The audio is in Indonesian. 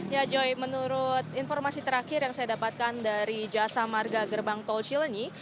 ya joy menurut informasi terakhir yang saya dapatkan dari jasa marga gerbang tol cilenyi